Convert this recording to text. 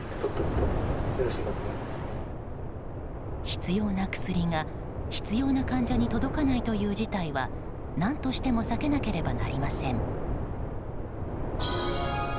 必要な薬が必要な患者に届かないという事態は何としても避けなくてはなりません。